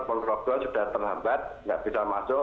pak rokdo sudah terlambat tidak bisa masuk